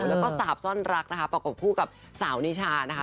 แล้วก็สาบซ่อนรักนะคะประกบคู่กับสาวนิชานะคะ